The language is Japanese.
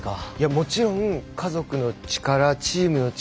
もちろん家族の力、チームの力